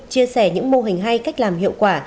chia sẻ những mô hình hay cách làm hiệu quả